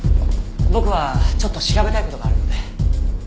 僕はちょっと調べたい事があるので。